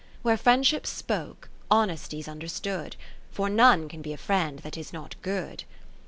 Where Friendship 's spoke, Honesty 's understood ] For none can be a friend that is not good.